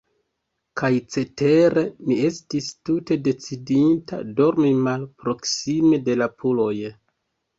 Kaj cetere, mi estis tute decidinta, dormi malproksime de la puloj.